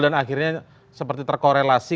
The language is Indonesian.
dan akhirnya seperti terkorelasi